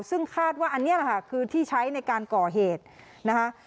ซึ่งคาดว่าอันนี้แหละค่ะคือที่ใช้ในการก่อเหตุนะคะ